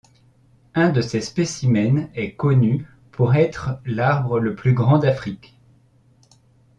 Un de ses spécimens est connu pour être l'arbre le plus grand d'Afrique.